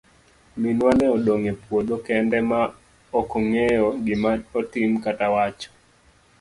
Minwa ne odong' e puodho kende ma okong'eyo gima otim kata wacho.